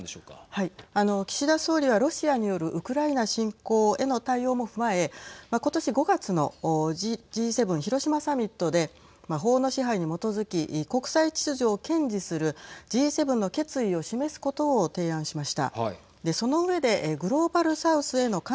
岸田総理はロシアによるウクライナ侵攻への対応も踏まえ今年５月のＧ７広島サミットで法の支配に基づき国際秩序を堅持するＧ７の決意を示すことを提案しました。